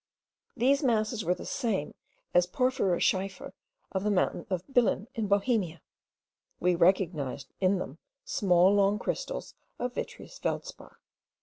These masses were the same as the porphyrschiefer of the mountain of Bilin in Bohemia; we recognised in them small long crystals of vitreous feldspar.